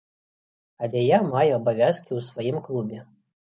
Але я маю абавязкі ў сваім клубе.